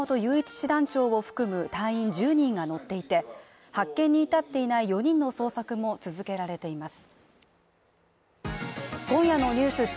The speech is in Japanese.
師団長を含む隊員１０人が乗っていて発見に至っていない４人の捜索も続けられています。